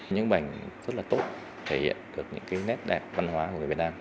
những bảnh rất tốt thể hiện được những nét đẹp văn hóa của người việt nam